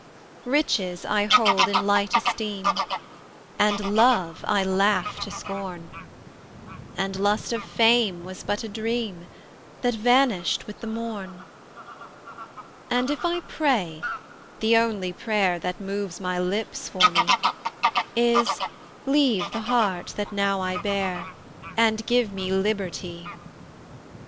Riches I hold in light esteem, And Love I laugh to scorn; And lust of fame was but a dream, That vanished with the morn: And if I pray, the only prayer That moves my lips for me Is, "Leave the heart that now I bear, And give me liberty!"